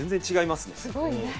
すごいね。